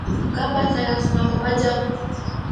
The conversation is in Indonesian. Kapan saya harus melapor pajak?